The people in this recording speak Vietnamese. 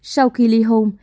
sau khi ly hôn